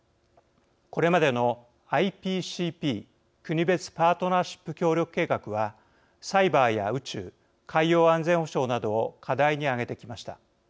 これまでのＩＰＣＰ国別パートナーシップ協力計画はサイバーや宇宙海洋安全保障などを課題に挙げてきました。